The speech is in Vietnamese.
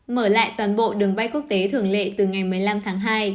mở lại toàn bộ đường bay quốc tế thường lệ từ ngày một mươi năm tháng hai